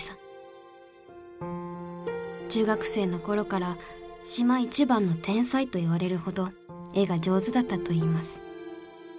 中学生の頃から島一番の天才といわれるほど絵が上手だったといいます。